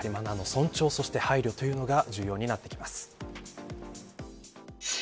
尊重、そして配慮というのが大事になってきます。